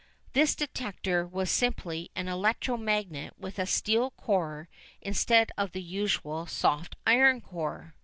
This detector was simply an electro magnet with a steel core instead of the usual soft iron core.